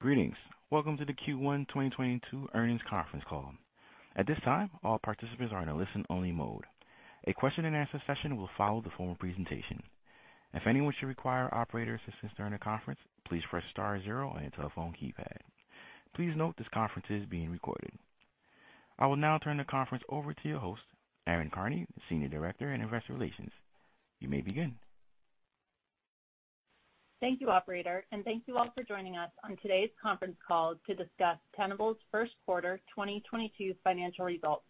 Greetings. Welcome to the Q1 2022 earnings conference call. At this time, all participants are in a listen-only mode. A question-and-answer session will follow the formal presentation. If anyone should require operator assistance during the conference, please press star zero on your telephone keypad. Please note this conference is being recorded. I will now turn the conference over to your host, Erin Karney, Senior Director in Investor Relations. You may begin. Thank you, operator, and thank you all for joining us on today's conference call to discuss Tenable's first quarter 2022 financial results.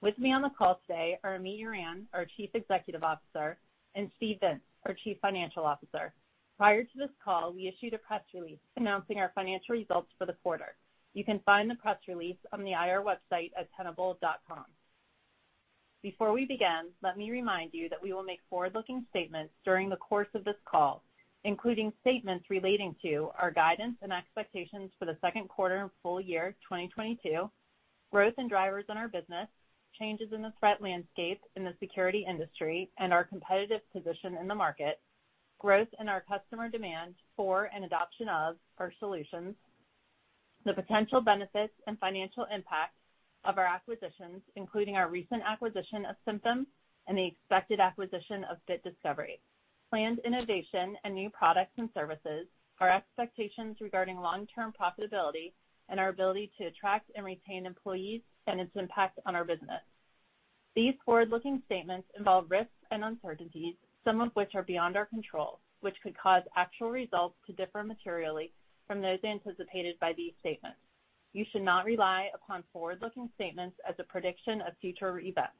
With me on the call today are Amit Yoran, our Chief Executive Officer, and Steve Vintz, our Chief Financial Officer. Prior to this call, we issued a press release announcing our financial results for the quarter. You can find the press release on the IR website at tenable.com. Before we begin, let me remind you that we will make forward-looking statements during the course of this call, including statements relating to our guidance and expectations for the second quarter and full-year 2022, growth and drivers in our business, changes in the threat landscape in the security industry, and our competitive position in the market, growth in our customer demand for and adoption of our solutions, the potential benefits and financial impact of our acquisitions, including our recent acquisition of Cymptom and the expected acquisition of Bit Discovery, planned innovation and new products and services, our expectations regarding long-term profitability, and our ability to attract and retain employees and its impact on our business. These forward-looking statements involve risks and uncertainties, some of which are beyond our control, which could cause actual results to differ materially from those anticipated by these statements. You should not rely upon forward-looking statements as a prediction of future events.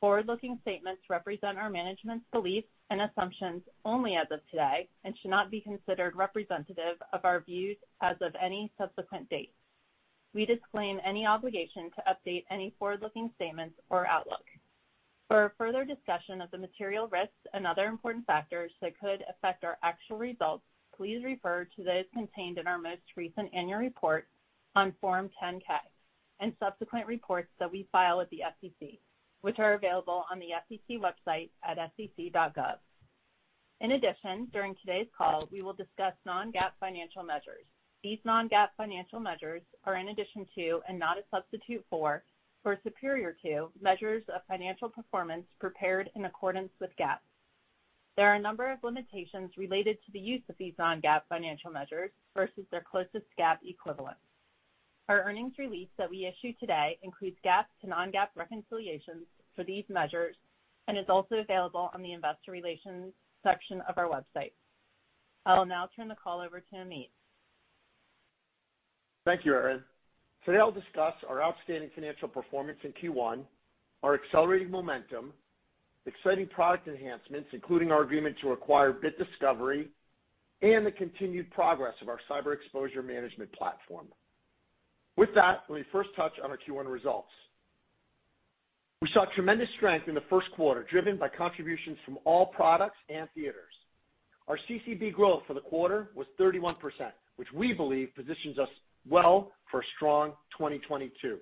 Forward-looking statements represent our management's beliefs and assumptions only as of today and should not be considered representative of our views as of any subsequent date. We disclaim any obligation to update any forward-looking statements or outlook. For a further discussion of the material risks and other important factors that could affect our actual results, please refer to those contained in our most recent annual report on Form 10-K and subsequent reports that we file with the SEC, which are available on the SEC website at sec.gov. In addition, during today's call, we will discuss non-GAAP financial measures. These non-GAAP financial measures are in addition to and not a substitute for, or superior to, measures of financial performance prepared in accordance with GAAP. There are a number of limitations related to the use of these non-GAAP financial measures versus their closest GAAP equivalent. Our earnings release that we issued today includes GAAP to non-GAAP reconciliations for these measures and is also available on the investor relations section of our website. I will now turn the call over to Amit. Thank you, Erin. Today, I'll discuss our outstanding financial performance in Q1, our accelerating momentum, exciting product enhancements, including our agreement to acquire Bit Discovery, and the continued progress of our cyber exposure management platform. With that, let me first touch on our Q1 results. We saw tremendous strength in the first quarter, driven by contributions from all products and theaters. Our CCB growth for the quarter was 31%, which we believe positions us well for a strong 2022.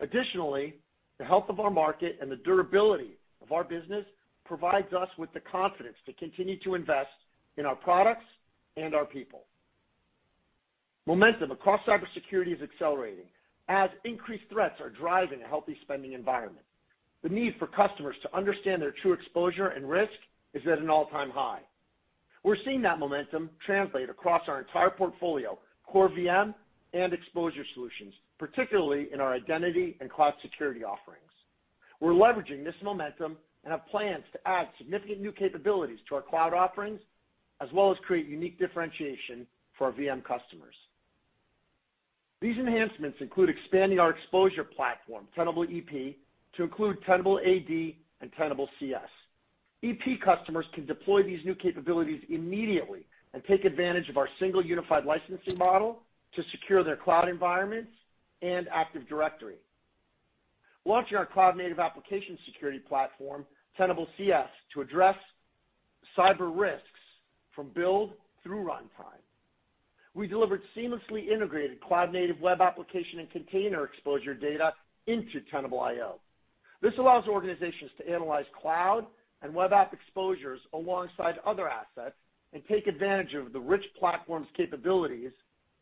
Additionally, the health of our market and the durability of our business provide us with the confidence to continue to invest in our products and our people. Momentum across cybersecurity is accelerating as increased threats are driving a healthy spending environment. The need for customers to understand their true exposure and risk is at an all-time high. We're seeing that momentum translate across our entire portfolio, core VM, and exposure solutions, particularly in our identity and cloud security offerings. We're leveraging this momentum and have plans to add significant new capabilities to our cloud offerings, as well as create unique differentiation for our VM customers. These enhancements include expanding our exposure platform, Tenable.ep, to include Tenable.ad and Tenable.cs. EP customers can deploy these new capabilities immediately and take advantage of our single unified licensing model to secure their cloud environments and Active Directory. Launching our cloud-native application security platform, Tenable.cs, to address cyber risks from build through runtime. We delivered a seamlessly integrated cloud-native web application and container exposure data into Tenable.io. This allows organizations to analyze cloud and web app exposures alongside other assets and take advantage of the rich platform's capabilities,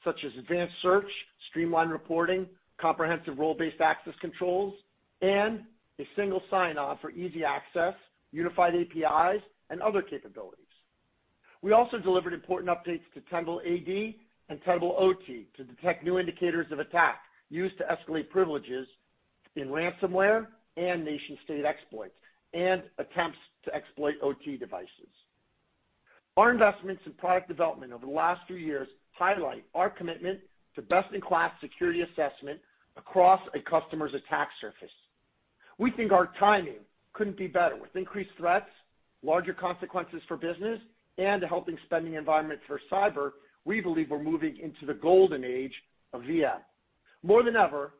such as advanced search, streamlined reporting, comprehensive role-based access controls, and a single sign-on for easy access, unified APIs, and other capabilities. We also delivered important updates to Tenable AD and Tenable OT to detect new indicators of attack used to escalate privileges in ransomware and nation-state exploits and attempts to exploit OT devices. Our investments in product development over the last few years highlight our commitment to best-in-class security assessment across a customer's attack surface. We think our timing couldn't be better. With increased threats, larger consequences for business, and a healthy spending environment for cyber, we believe we're moving into the golden age of VM. More than ever,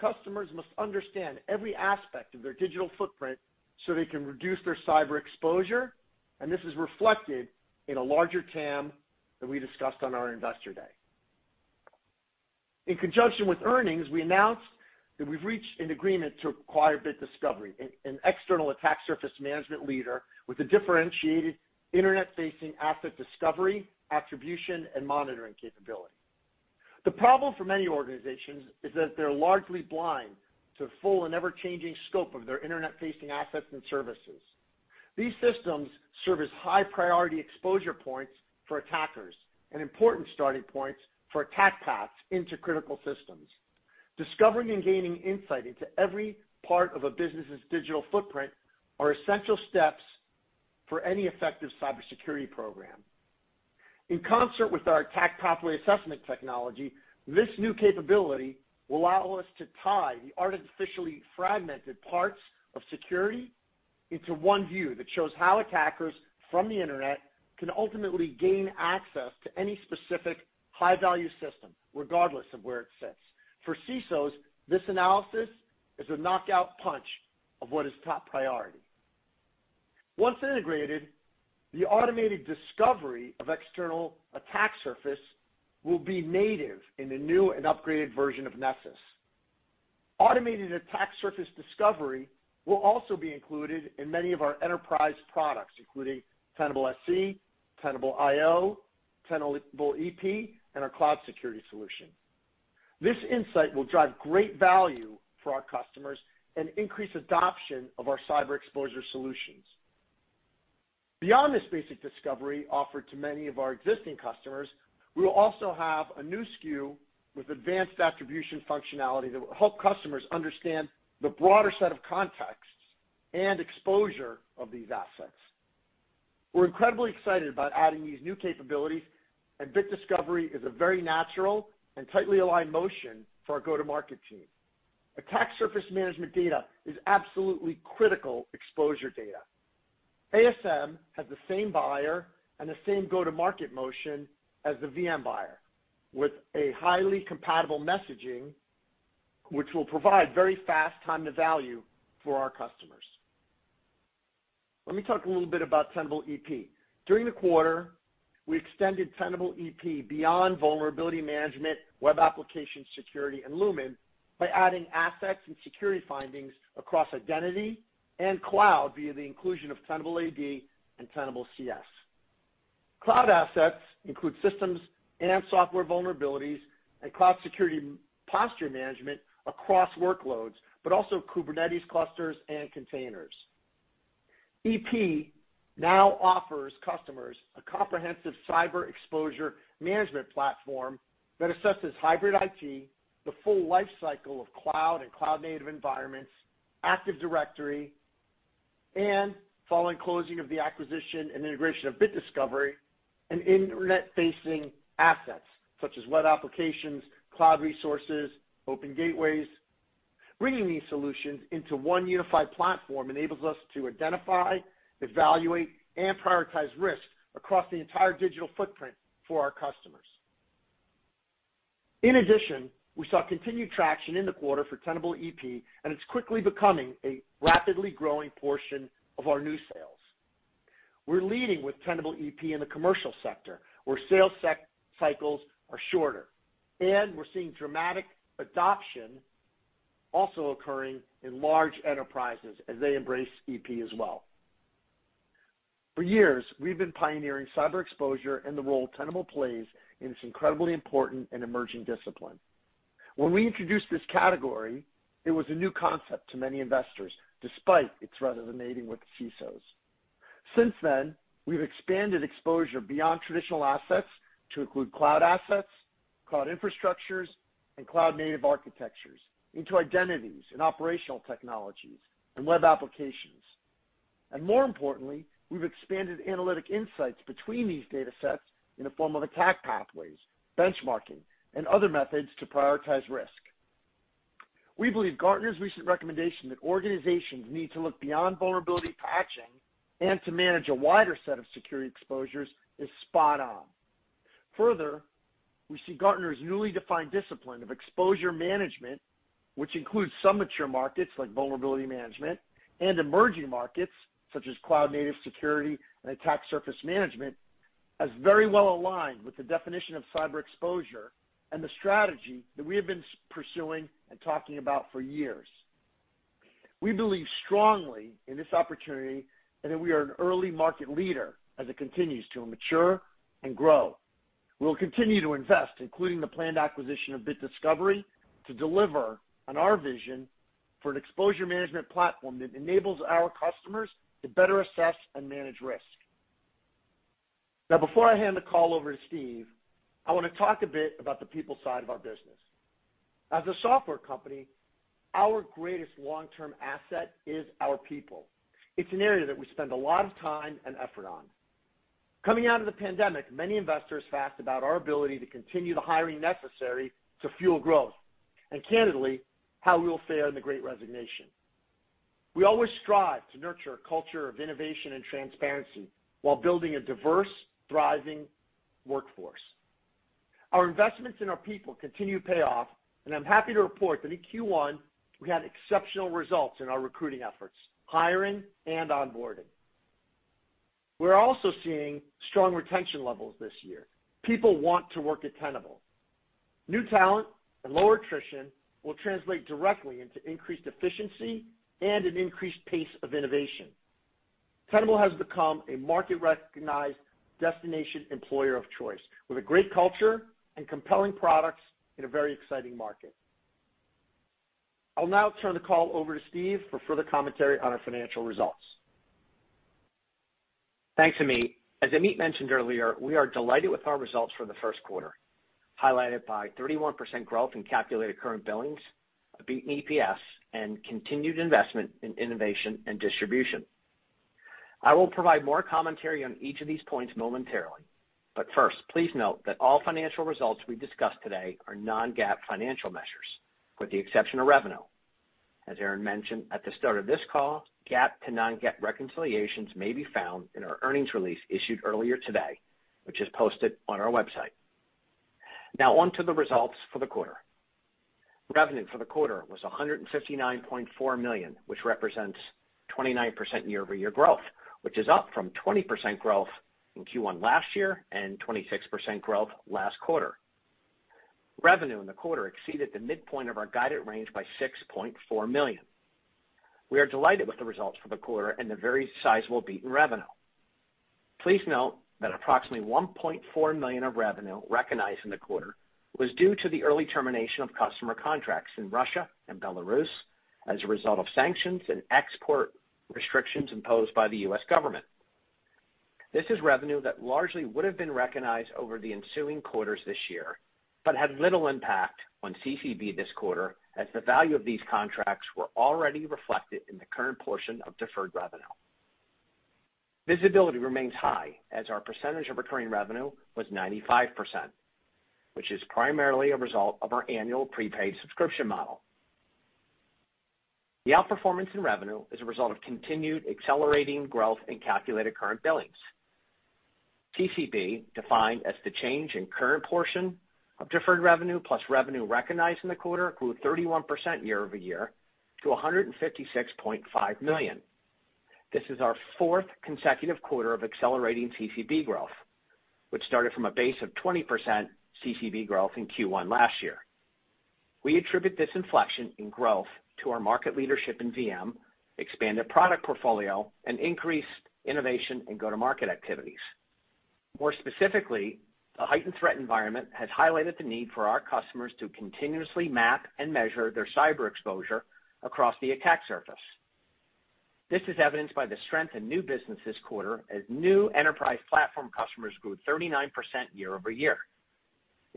customers must understand every aspect of their digital footprint so they can reduce their cyber exposure, and this is reflected in a larger TAM than we discussed on our Investor Day. In conjunction with earnings, we announced that we've reached an agreement to acquire Bit Discovery, an external attack surface management leader with a differentiated internet-facing asset discovery, attribution, and monitoring capability. The problem for many organizations is that they're largely blind to the full and ever-changing scope of their internet-facing assets and services. These systems serve as high-priority exposure points for attackers and important starting points for attack paths into critical systems. Discovering and gaining insight into every part of a business's digital footprint are essential steps for any effective cybersecurity program. In concert with our attack pathway assessment technology, this new capability will allow us to tie the artificially fragmented parts of security into one view that shows how attackers from the internet can ultimately gain access to any specific high-value system, regardless of where it sits. For CISOs, this analysis is a knockout punch of what is top priority. Once integrated, the automated discovery of the external attack surface will be native in the new and upgraded version of Nessus. Automated attack surface discovery will also be included in many of our enterprise products, including Tenable.sc, Tenable.io, Tenable.ep, and our cloud security solution. This insight will drive great value for our customers and increase adoption of our cyber exposure solutions. Beyond this basic discovery offered to many of our existing customers, we will also have a new SKU with advanced attribution functionality that will help customers understand the broader set of contexts and exposure of these assets. We're incredibly excited about adding these new capabilities, and Bit Discovery is a very natural and tightly aligned motion for our go-to-market team. Attack surface management data is absolutely critical exposure data. ASM has the same buyer and the same go-to-market motion as the VM buyer, with highly compatible messaging, which will provide a very fast time to value for our customers. Let me talk a little bit about Tenable.ep. During the quarter, we extended Tenable.ep beyond vulnerability management, web application security, and Lumin by adding assets and security findings across identity and cloud via the inclusion of Tenable.ad and Tenable.cs. Cloud assets include systems and software vulnerabilities, and cloud security posture management across workloads, but also Kubernetes clusters and containers. Tenable.ep now offers customers a comprehensive cyber exposure management platform that assesses hybrid IT, the full life cycle of cloud and cloud-native environments, Active Directory, and, following closing of the acquisition and integration of Bit Discovery and internet-facing assets, such as web applications, cloud resources, and open gateways. Bringing these solutions into one unified platform enables us to identify, evaluate, and prioritize risks across the entire digital footprint for our customers. In addition, we saw continued traction in the quarter for Tenable.ep, and it's quickly becoming a rapidly growing portion of our new sales. We're leading with Tenable.ep in the commercial sector, where sales cycles are shorter, and we're seeing dramatic adoption also occurring in large enterprises as they embrace Tenable.ep as well. For years, we've been pioneering cyber exposure and the role Tenable plays in this incredibly important and emerging discipline. When we introduced this category, it was a new concept to many investors, despite its resonance with CISOs. Since then, we've expanded exposure beyond traditional assets to include cloud assets, cloud infrastructures, and cloud-native architectures into identities and operational technologies and web applications. More importantly, we've expanded analytic insights between these datasets in the form of attack pathways, benchmarking, and other methods to prioritize risk. We believe Gartner's recent recommendation that organizations need to look beyond vulnerability patching and to manage a wider set of security exposures is spot on. Further, we see Gartner's newly defined discipline of exposure management, which includes some mature markets like vulnerability management and emerging markets such as cloud-native security and attack surface management, as very well aligned with the definition of cyber exposure and the strategy that we have been pursuing and talking about for years. We believe strongly in this opportunity and that we are an early market leader as it continues to mature and grow. We'll continue to invest, including the planned acquisition of Bit Discovery, to deliver on our vision for an exposure management platform that enables our customers to better assess and manage risk. Now, before I hand the call over to Steve, I want to talk a bit about the people side of our business. As a software company, our greatest long-term asset is our people. It's an area that we spend a lot of time and effort on. Coming out of the pandemic, many investors asked about our ability to continue the hiring necessary to fuel growth, and candidly, how we will fare in the great resignation. We always strive to nurture a culture of innovation and transparency while building a diverse, thriving workforce. Our investments in our people continue to pay off, and I'm happy to report that in Q1, we had exceptional results in our recruiting efforts, hiring and onboarding. We're also seeing strong retention levels this year. People want to work at Tenable. New talent and low attrition will translate directly into increased efficiency and an increased pace of innovation. Tenable has become a market-recognized destination employer of choice, with a great culture and compelling products in a very exciting market. I'll now turn the call over to Steve for further commentary on our financial results. Thanks, Amit. As Amit mentioned earlier, we are delighted with our results for the first quarter, highlighted by 31% growth in calculated current billings, a beating EPS, and continued investment in innovation and distribution. I will provide more commentary on each of these points momentarily, but first, please note that all financial results we discuss today are non-GAAP financial measures, with the exception of revenue. As Erin mentioned at the start of this call, GAAP to non-GAAP reconciliations may be found in our earnings release issued earlier today, which is posted on our website. Now on to the results for the quarter. Revenue for the quarter was $159.4 million, which represents 29% year-over-year growth, which is up from 20% growth in Q1 last year and 26% growth last quarter. Revenue in the quarter exceeded the midpoint of our guided range by $6.4 million. We are delighted with the results for the quarter and the very sizable beat in revenue. Please note that approximately $1.4 million of revenue recognized in the quarter was due to the early termination of customer contracts in Russia and Belarus as a result of sanctions and export restrictions imposed by the U.S. government. This is revenue that largely would have been recognized over the ensuing quarters this year, but had little impact on CCB this quarter as the value of these contracts were already reflected in the current portion of deferred revenue. Visibility remains high as our percentage of recurring revenue was 95%, which is primarily a result of our annual prepaid subscription model. The outperformance in revenue is a result of continued accelerating growth in calculated current billings. CCB, defined as the change in current portion of deferred revenue plus revenue recognized in the quarter, grew 31% year-over-year to $156.5 million. This is our fourth consecutive quarter of accelerating CCB growth, which started from a base of 20% CCB growth in Q1 last year. We attribute this inflection in growth to our market leadership in VM, expanded product portfolio, and increased innovation and go-to-market activities. More specifically, the heightened threat environment has highlighted the need for our customers to continuously map and measure their cyber exposure across the attack surface. This is evidenced by the strength in new business this quarter as new enterprise platform customers grew 39% year-over-year.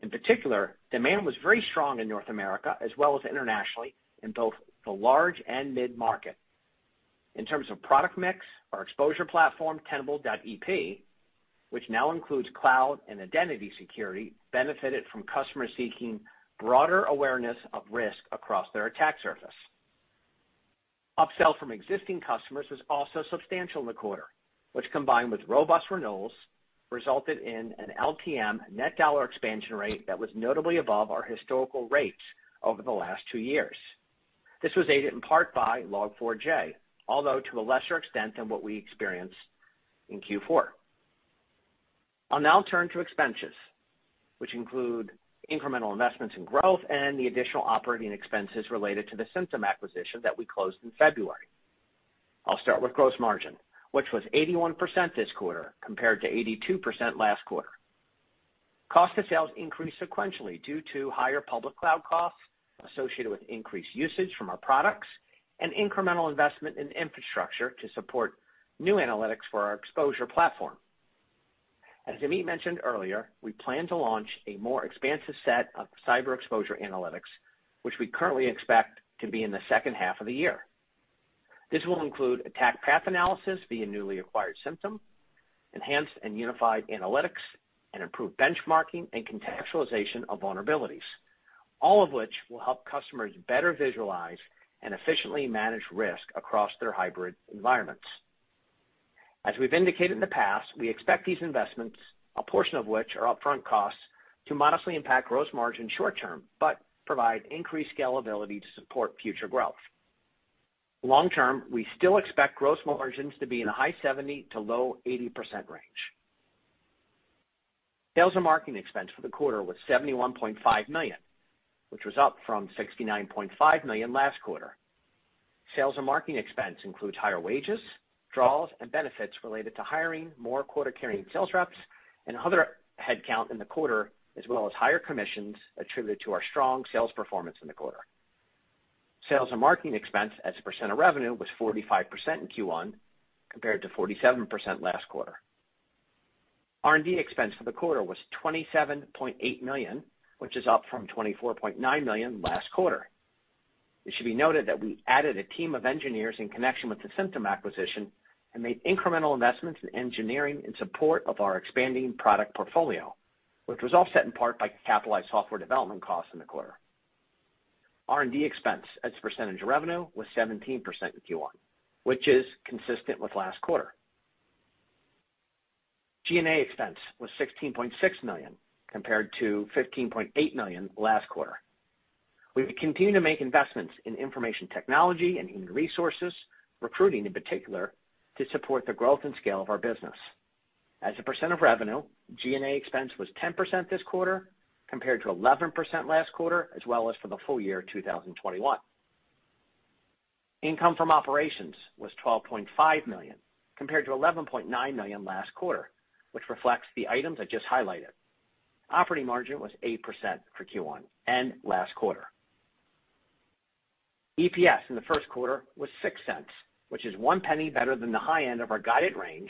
In particular, demand was very strong in North America as well as internationally in both the large and mid-market. In terms of product mix, our exposure platform, Tenable.ep, which now includes cloud and identity security, benefited from customers seeking broader awareness of risk across their attack surface. Upsell from existing customers was also substantial in the quarter, which, combined with robust renewals, resulted in an LTM net dollar expansion rate that was notably above our historical rates over the last two years. This was aided in part by Log4j, although to a lesser extent than what we experienced in Q4. I'll now turn to expenses, which include incremental investments in growth and the additional operating expenses related to the Cymptom acquisition that we closed in February. I'll start with gross margin, which was 81% this quarter, compared to 82% last quarter. Cost of sales increased sequentially due to higher public cloud costs associated with increased usage from our products and incremental investment in infrastructure to support new analytics for our exposure platform. As Amit mentioned earlier, we plan to launch a more expansive set of cyber exposure analytics, which we currently expect to be in the second half of the year. This will include attack path analysis via newly acquired Cymptom, enhanced and unified analytics, and improved benchmarking and contextualization of vulnerabilities, all of which will help customers better visualize and efficiently manage risk across their hybrid environments. As we've indicated in the past, we expect these investments, a portion of which are upfront costs, to modestly impact gross margin in the short term, but provide increased scalability to support future growth. Long term, we still expect gross margins to be in a high 70%-low 80% range. Sales and marketing expense for the quarter was $71.5 million, which was up from $69.5 million last quarter. Sales and marketing expense includes higher wages, draws, and benefits related to hiring more quota-carrying sales reps and other headcount in the quarter, as well as higher commissions attributed to our strong sales performance in the quarter. Sales and marketing expense as a percent of revenue was 45% in Q1, compared to 47% last quarter. R&D expense for the quarter was $27.8 million, which is up from $24.9 million last quarter. It should be noted that we added a team of engineers in connection with the Cymptom acquisition and made incremental investments in engineering in support of our expanding product portfolio, which was offset in part by capitalized software development costs in the quarter. R&D expense as a percentage of revenue was 17% in Q1, which is consistent with last quarter. G&A expense was $16.6 million, compared to $15.8 million last quarter. We continue to make investments in information technology and human resources, recruiting in particular, to support the growth and scale of our business. As a percent of revenue, G&A expense was 10% this quarter compared to 11% last quarter, as well as for the full-year 2021. Income from operations was $12.5 million compared to $11.9 million last quarter, which reflects the items I just highlighted. Operating margin was 8% for Q1 and the last quarter. EPS in the first quarter was $0.06, which is $0.01 better than the high end of our guided range,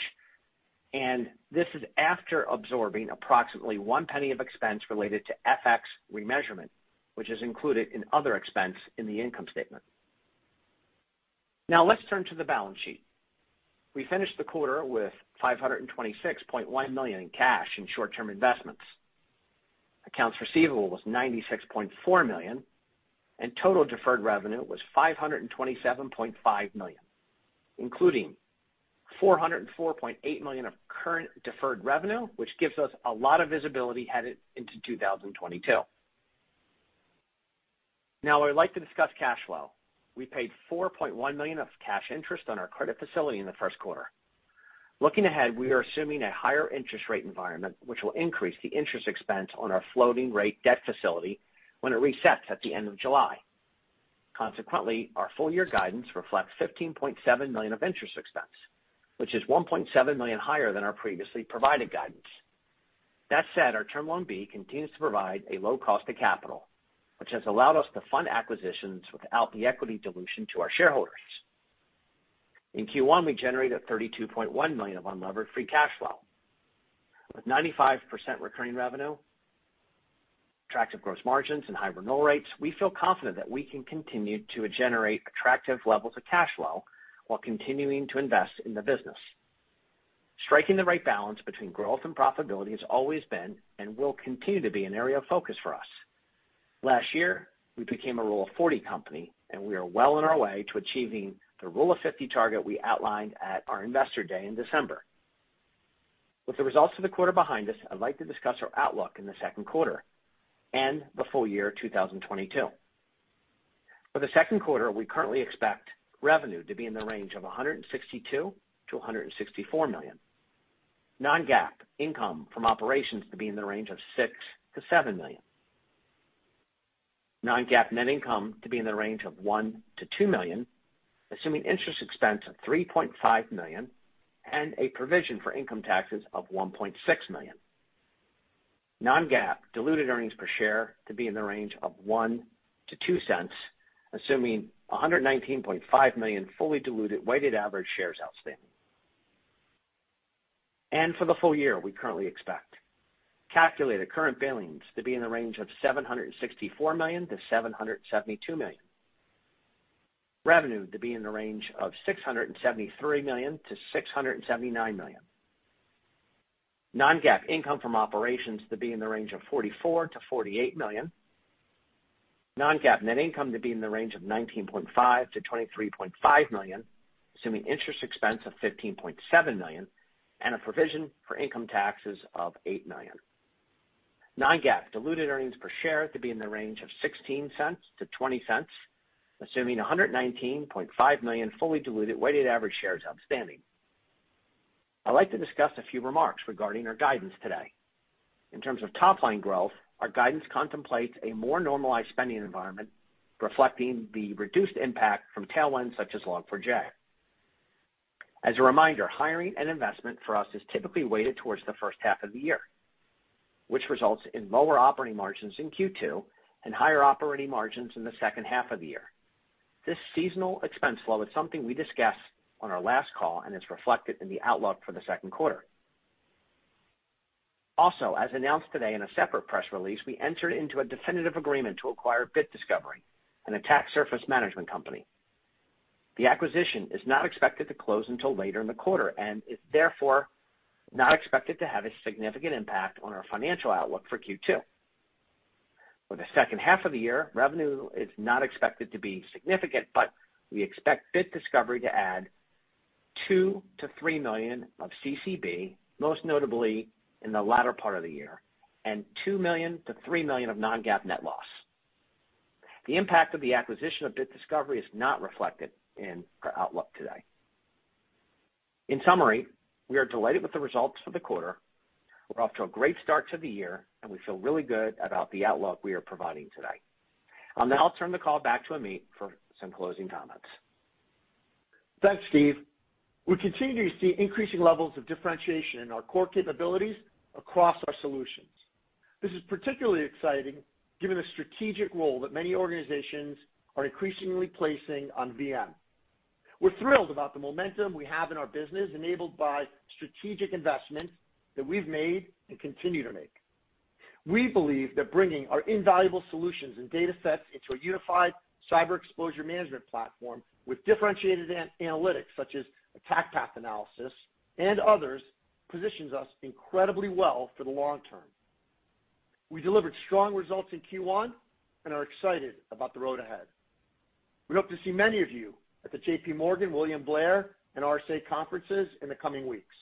and this is after absorbing approximately $0.01 of expense related to FX remeasurement, which is included in other expense in the income statement. Now, let's turn to the balance sheet. We finished the quarter with $526.1 million in cash and short-term investments. Accounts receivable were $96.4 million, and total deferred revenue was $527.5 million, including $404.8 million of current deferred revenue, which gives us a lot of visibility headed into 2022. Now I would like to discuss cash flow. We paid $4.1 million of cash interest on our credit facility in the first quarter. Looking ahead, we are assuming a higher interest rate environment, which will increase the interest expense on our floating rate debt facility when it resets at the end of July. Consequently, our full-year guidance reflects $15.7 million of interest expense, which is $1.7 million higher than our previously provided guidance. That said, our Term Loan B continues to provide a low cost of capital, which has allowed us to fund acquisitions without the equity dilution to our shareholders. In Q1, we generated $32.1 million of unlevered free cash flow. With 95% recurring revenue, attractive gross margins, and high renewal rates, we feel confident that we can continue to generate attractive levels of cash flow while continuing to invest in the business. Striking the right balance between growth and profitability has always been and will continue to be an area of focus for us. Last year, we became a Rule of 40 company, and we are well on our way to achieving the Rule of 50 target we outlined at our Investor Day in December. With the results of the quarter behind us, I'd like to discuss our outlook in the second quarter and the full-year 2022. For the second quarter, we currently expect revenue to be in the range of $162 million-$164 million. Non-GAAP income from operations to be in the range of $6 million-$7 million. Non-GAAP net income to be in the range of $1 million-$2 million, assuming interest expense of $3.5 million and a provision for income taxes of $1.6 million. Non-GAAP diluted earnings per share to be in the range of $0.01-$0.02, assuming 119.5 million fully diluted weighted average shares outstanding. For the full-year, we currently expect calculated current billings to be in the range of $764 million-$772 million. Revenue to be in the range of $673 million-$679 million. Non-GAAP income from operations to be in the range of $44 million-$48 million. Non-GAAP net income to be in the range of $19.5 million-$23.5 million, assuming interest expense of $15.7 million and a provision for income taxes of $8 million. Non-GAAP diluted earnings per share to be in the range of $0.16-$0.20, assuming 119.5 million fully diluted weighted average shares outstanding. I'd like to discuss a few remarks regarding our guidance today. In terms of top-line growth, our guidance contemplates a more normalized spending environment, reflecting the reduced impact from tailwinds such as Log4j. As a reminder, hiring and investment for us is typically weighted towards the first half of the year, which results in lower operating margins in Q2 and higher operating margins in the second half of the year. This seasonal expense flow is something we discussed on our last call and is reflected in the outlook for the second quarter. Also, as announced today in a separate press release, we entered into a definitive agreement to acquire Bit Discovery, an attack surface management company. The acquisition is not expected to close until later in the quarter and is therefore not expected to have a significant impact on our financial outlook for Q2. For the second half of the year, revenue is not expected to be significant, but we expect Bit Discovery to add $2 million-$3 million of CCB, most notably in the latter part of the year, and $2 million-$3 million of non-GAAP net loss. The impact of the acquisition of Bit Discovery is not reflected in our outlook today. In summary, we are delighted with the results for the quarter. We're off to a great start to the year, and we feel really good about the outlook we are providing today. I'll now turn the call back to Amit for some closing comments. Thanks, Steve. We continue to see increasing levels of differentiation in our core capabilities across our solutions. This is particularly exciting given the strategic role that many organizations are increasingly placing on VM. We're thrilled about the momentum we have in our business, enabled by strategic investments that we've made and continue to make. We believe that bringing our invaluable solutions and data sets into a unified cyber exposure management platform with differentiated analytics, such as attack path analysis and others, positions us incredibly well for the long term. We delivered strong results in Q1 and are excited about the road ahead. We hope to see many of you at the JPMorgan, William Blair, and RSA conferences in the coming weeks.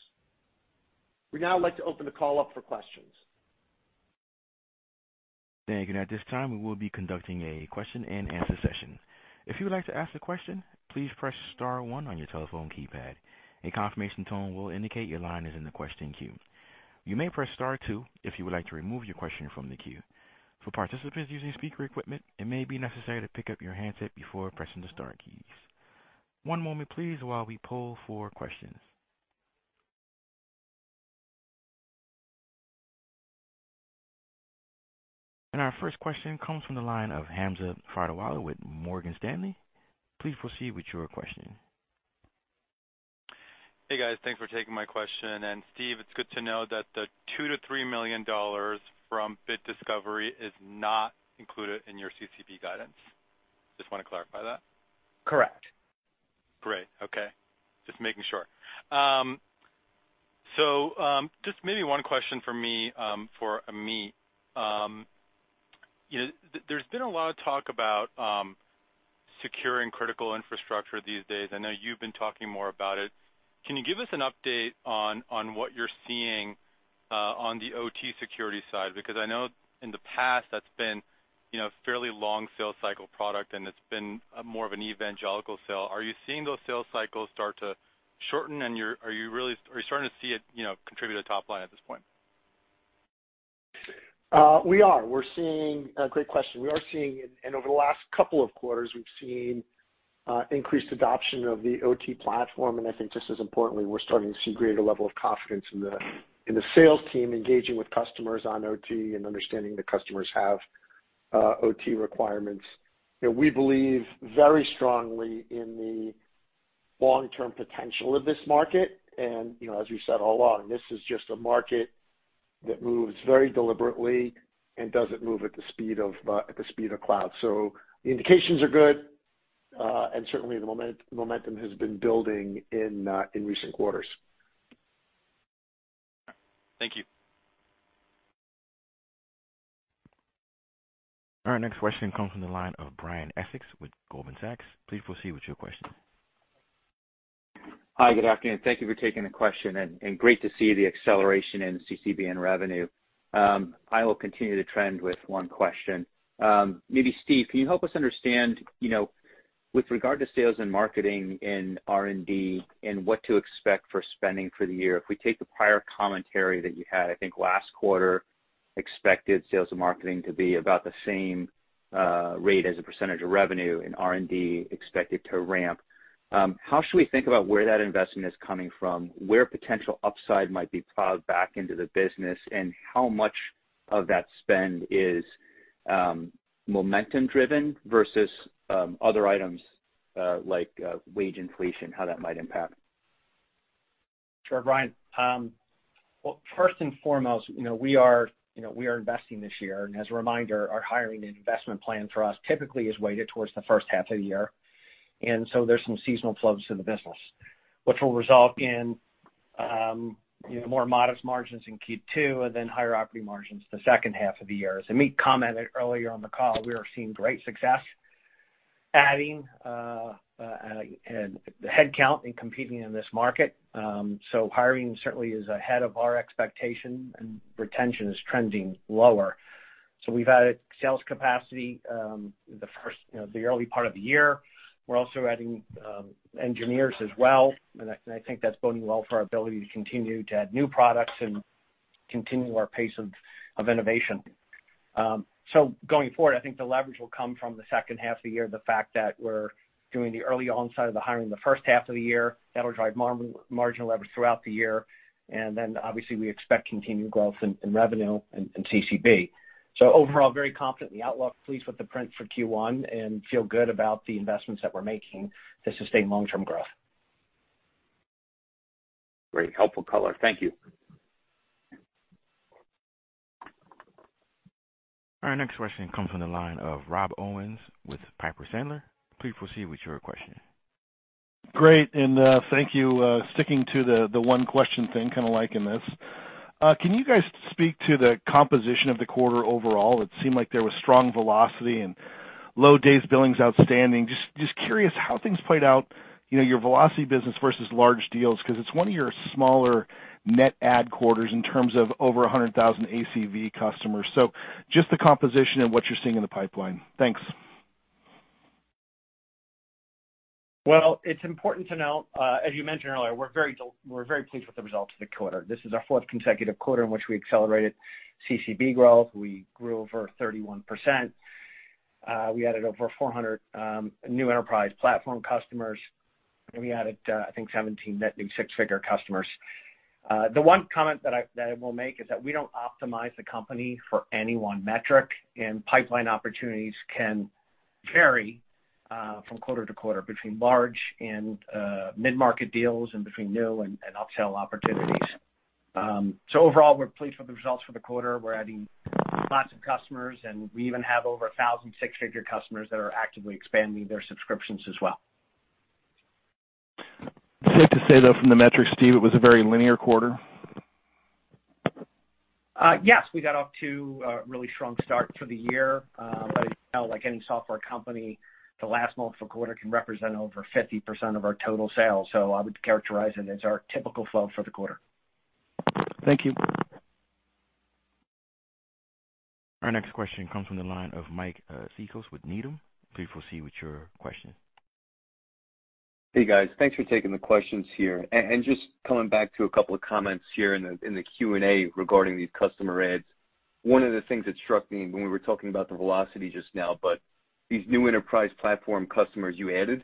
We'd now like to open the call up for questions. Thank you. At this time, we will be conducting a question-and-answer session. If you would like to ask a question, please press star one on your telephone keypad. A confirmation tone will indicate your line is in the question queue. You may press star two if you would like to remove your question from the queue. For participants using speaker equipment, it may be necessary to pick up your handset before pressing the star keys. One moment, please, while we poll for questions. Our first question comes from the line of Hamza Fodderwala with Morgan Stanley. Please proceed with your question. Hey, guys. Thanks for taking my question. Steve, it's good to know that the $2 million-$3 million from Bit Discovery is not included in your ACV guidance. Just want to clarify that. Correct. Great. Okay. Just making sure. So, just maybe one question for me, for Amit. You know, there's been a lot of talk about securing critical infrastructure these days. I know you've been talking more about it. Can you give us an update on what you're seeing on the OT security side? Because I know in the past that's been, you know, a fairly long sales cycle product, and it's been more of an evangelical sale. Are you seeing those sales cycles start to shorten, and are you starting to see it, you know, contribute to the top line at this point? Great question. We're seeing, and over the last couple of quarters, we've seen increased adoption of the OT platform. I think just as importantly, we're starting to see greater level of confidence in the sales team engaging with customers on OT and understanding that customers have OT requirements. You know, we believe very strongly in the long-term potential of this market. You know, as we've said all along, this is just a market that moves very deliberately and doesn't move at the speed of cloud. The indications are good, and certainly the momentum has been building in recent quarters. Thank you. Our next question comes from the line of Brian Essex with Goldman Sachs. Please proceed with your question. Hi, good afternoon. Thank you for taking the question, and great to see the acceleration in CCB and revenue. I will continue to trend with one question. Maybe Steve, can you help us understand, you know, with regard to sales and marketing in R&D, and what to expect for spending for the year? If we take the prior commentary that you had, I think last quarter, expected sales and marketing to be about the same rate as a percentage of revenue, and R&D expected to ramp. How should we think about where that investment is coming from, where potential upside might be plowed back into the business, and how much of that spend is momentum-driven versus other items like wage inflation, how that might impact? Sure, Brian. Well, first and foremost, you know, we are, you know, we are investing this year. As a reminder, our hiring and investment plan for us typically is weighted towards the first half of the year. There are some seasonal flows to the business, which will result in more modest margins in Q2 and then higher operating margins in the second half of the year. As Amit commented earlier on the call, we are seeing great success adding headcount and competing in this market. Hiring certainly is ahead of our expectations, and retention is trending lower. We've added sales capacity in the early part of the year. We're also adding engineers as well, and I think that's boding well for our ability to continue to add new products and continue our pace of innovation. Going forward, I think the leverage will come from the second half of the year. The fact that we're doing the early onset of the hiring in the first half of the year that'll drive marginal leverage throughout the year. Obviously, we expect continued growth in revenue and CCB. Overall, very confident in the outlook, pleased with the print for Q1, and feel good about the investments that we're making to sustain long-term growth. Great. Helpful color. Thank you. Our next question comes from the line of Rob Owens with Piper Sandler. Please proceed with your question. Great, thank you. Sticking to the one question thing, kind of liking this. Can you guys speak to the composition of the quarter overall? It seemed like there was strong velocity and low days billings outstanding. Just curious how things played out, you know, your velocity business versus large deals, because it's one of your smaller net add quarters in terms of over 100,000 ACV customers. Just the composition of what you're seeing in the pipeline. Thanks. Well, it's important to note, as you mentioned earlier, we're very pleased with the results of the quarter. This is our fourth consecutive quarter in which we accelerated CCB growth. We grew by over 31%. We added over 400 new enterprise platform customers, and we added, I think, 17 net new six-figure customers. The one comment that I will make is that we don't optimize the company for any one metric, and pipeline opportunities can vary from quarter to quarter between large and mid-market deals and between new and upsell opportunities. Overall, we're pleased with the results for the quarter. We're adding lots of customers, and we even have over 1,000 six-figure customers that are actively expanding their subscriptions as well. Safe to say, though, from the metrics, Steve, it was a very linear quarter? Yes, we got off to a really strong start for the year. As you know, like any software company, the last month of a quarter can represent over 50% of our total sales. I would characterize it as our typical flow for the quarter. Thank you. Our next question comes from the line of Mike Cikos with Needham. Please proceed with your question. Hey, guys. Thanks for taking the questions here. Just coming back to a couple of comments here in the Q&A regarding these customer adds. One of the things that struck me when we were talking about the velocity just now, but these new enterprise platform customers you added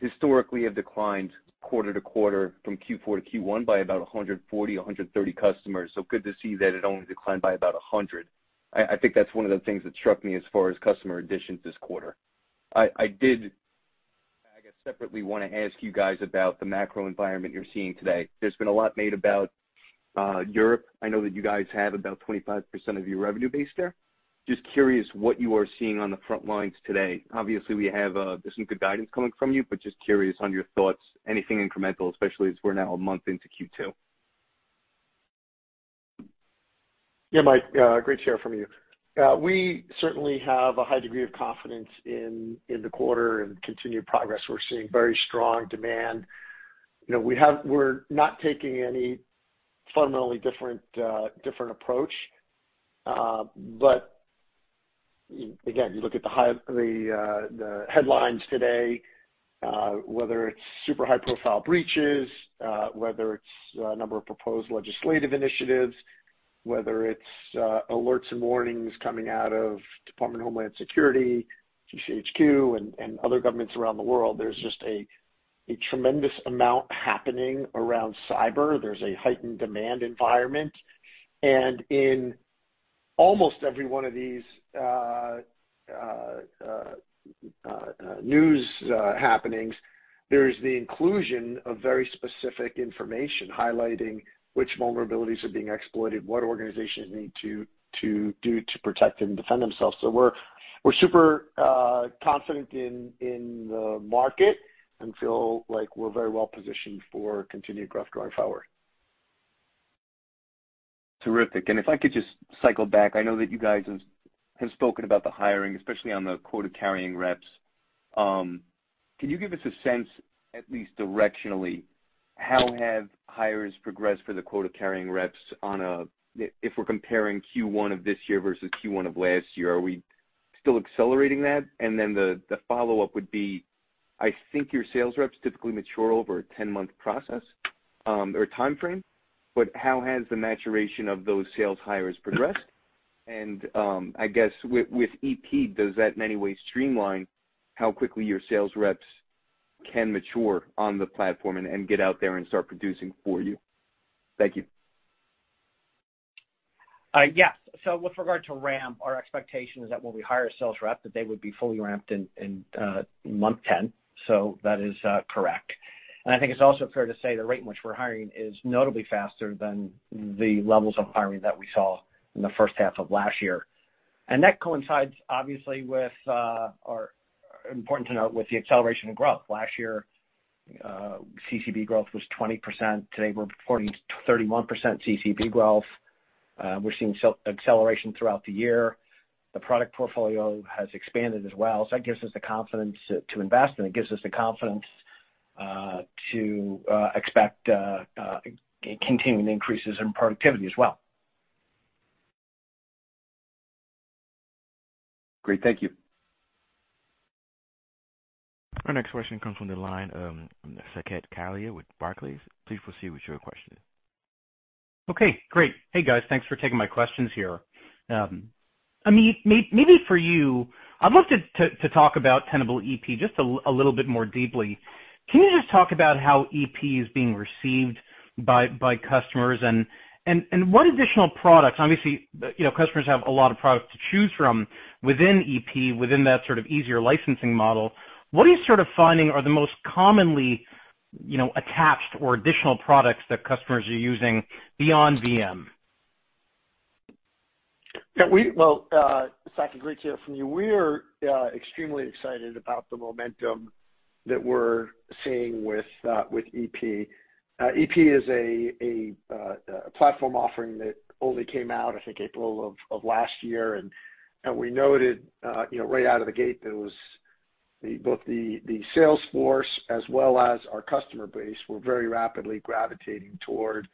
historically have declined quarter to quarter from Q4 to Q1 by about 140 to 130 customers. Good to see that it only declined by about 100. I think that's one of the things that struck me as far as customer additions this quarter. I did, I guess, separately wanna ask you guys about the macro environment you're seeing today. There's been a lot made about Europe. I know that you guys have about 25% of your revenue based there. Just curious what you are seeing on the front lines today. Obviously, we have there's some good guidance coming from you, but just curious on your thoughts, anything incremental, especially as we're now a month into Q2. Yeah, Mike, great to hear from you. We certainly have a high degree of confidence in the quarter and continued progress. We're seeing very strong demand. You know, we're not taking any fundamentally different approach. Again, you look at the headlines today, whether it's super high-profile breaches, whether it's a number of proposed legislative initiatives, whether it's alerts and warnings coming out of the Department of Homeland Security, GCHQ, and other governments around the world, there's just a tremendous amount happening around cyber. There's a heightened demand environment. In almost every one of these news happenings, there's the inclusion of very specific information highlighting which vulnerabilities are being exploited, what organizations need to do to protect and defend themselves. We're super confident in the market and feel like we're very well positioned for continued growth going forward. Terrific. If I could just cycle back. I know that you guys have spoken about the hiring, especially on the quota-carrying reps. Can you give us a sense, at least directionally, how have hires have progressed for the quota-carrying reps? If we're comparing Q1 of this year versus Q1 of last year, are we still accelerating that? Then the follow-up would be, I think your sales reps typically mature over a 10-month process or timeframe, but how has the maturation of those sales hires progressed? I guess with EP, does that in many ways streamline how quickly your sales reps can mature on the platform and get out there and start producing for you? Thank you. Yes. With regard to ramp, our expectation is that when we hire a sales rep that, they would be fully ramped in month 10. That is correct. I think it's also fair to say the rate in which we're hiring is notably faster than the levels of hiring that we saw in the first half of last year. That coincides obviously with the acceleration of growth, important to note. Last year, CCB growth was 20%. Today, we're reporting 31% CCB growth. We're seeing some acceleration throughout the year. The product portfolio has expanded as well. That gives us the confidence to invest, and it gives us the confidence to expect continuing increases in productivity as well. Great. Thank you. Our next question comes from the line of Saket Kalia with Barclays. Please proceed with your question. Okay, great. Hey, guys. Thanks for taking my questions here. Amit, maybe for you, I'd love to talk about Tenable.ep just a little bit more deeply. Can you just talk about how EP is being received by customers and what additional products? Obviously, you know, customers have a lot of products to choose from within EP, within that sort of easier licensing model. What are you sort of finding are the most commonly, you know, attached or additional products that customers are using beyond VM? Yeah, Well Saket, great to hear from you. We are extremely excited about the momentum that we're seeing with EP. EP is a platform offering that only came out, I think, in April of last year. We noted, you know, right out of the gate, both the sales force as well as our customer base were very rapidly gravitating toward